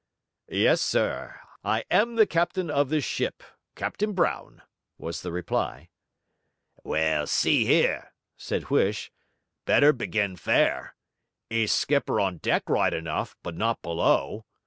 'Yes, sir. I am the captain of this ship: Captain Brown,' was the reply. 'Well, see 'ere!' said Huish, 'better begin fair! 'E's skipper on deck right enough, but not below.